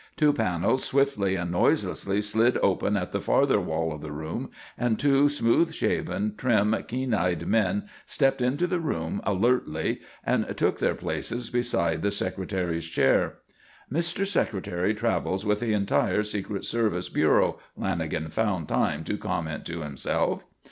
Two panels swiftly and noiselessly slid open at the farther wall of the room, and two smooth shaven, trim, keen eyed men stepped into the room alertly and took their places beside the Secretary's chair. "Mr. Secretary travels with the entire secret service bureau," Lanagan found time to comment to himself.